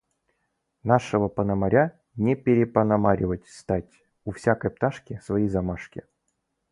Нашего пономаря не перепономаривать стать. У всякой пташки свои замашки.